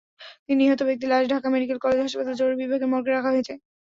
নিহত ব্যক্তির লাশ ঢাকা মেডিকেল কলেজ হাসপাতালের জরুরি বিভাগের মর্গে রাখা হয়েছে।